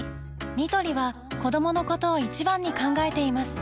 ニトリは子どものことを一番に考えています